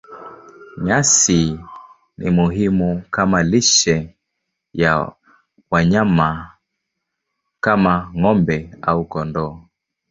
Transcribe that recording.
Nyasi ni muhimu kama lishe ya wanyama kama ng'ombe au kondoo.